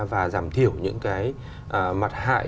và giảm thiểu những cái mặt hại